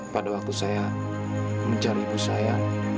pada waktu saya mencari ibu saya